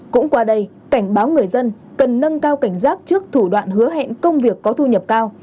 cũng qua đây cảnh báo người dân cần nâng cao cảnh giác trước thủ đoạn hứa hẹn công việc có thu nhập cao